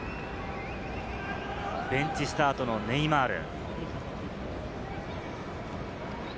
ベンチスタートのネイマール。